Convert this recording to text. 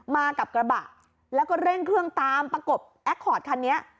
มากับกระบะแล้วก็เร่งเครื่องตามประกบแอคคอร์ดคันนี้